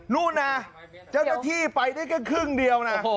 นู่นนะเจ้าหน้าที่ไปได้แค่ครึ่งเดียวนะ